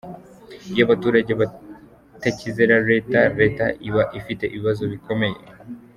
Iyo abaturage batakizera Leta, Leta iba ifite ibibazo bikomeye.